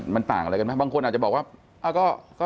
มันต่างอะไรกันไหมบางคนอาจจะบอกว่า